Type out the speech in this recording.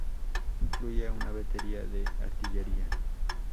Incluía una batería de artillería.